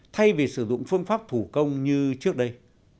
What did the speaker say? thay vì sử dụng phương pháp thủ công như trước đây